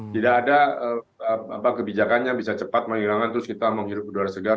tidak ada kebijakannya bisa cepat menghilangkan terus kita menghirup udara segar